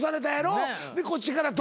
でこっちから登場。